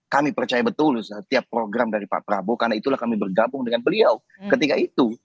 kami percaya betul setiap program dari pak prabowo karena itulah kami bergabung dengan beliau ketika itu